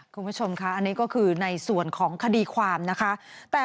คุณผู้ชมค่ะอันนี้ก็คือในส่วนของคดีความนะคะ